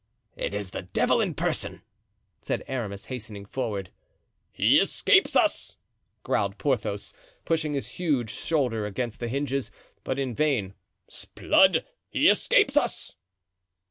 "It is the devil in person!" said Aramis, hastening forward. "He escapes us," growled Porthos, pushing his huge shoulder against the hinges, but in vain. "'Sblood! he escapes us."